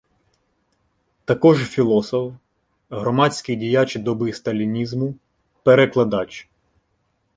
Також філософ, громадський діяч доби сталінізму, перекладач.